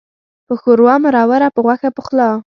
په ښوروا مروره، په غوښه پخلا.